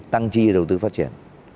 tăng chi đầu tư phát triển